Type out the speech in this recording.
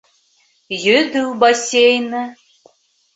Йөҙөү бассейны